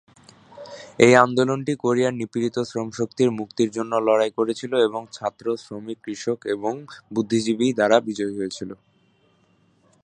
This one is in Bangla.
এই আন্দোলনটি কোরিয়ার নিপীড়িত শ্রমশক্তির মুক্তির জন্য লড়াই করেছিল এবং ছাত্র, শ্রমিক, কৃষক এবং বুদ্ধিজীবী দ্বারা বিজয়ী হয়েছিল।